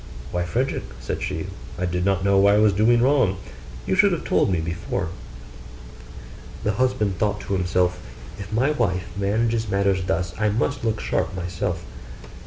'Why, Frederick,' said she, 'I did not know I was doing wrong; you should have told me before.' The husband thought to himself, 'If my wife manages matters thus, I must look sharp myself.